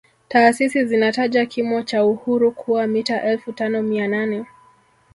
Taasisi zinataja kimo cha Uhuru kuwa mita elfu tano mia nane